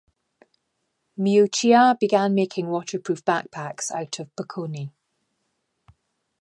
Miuccia began making waterproof backpacks out of "Pocone".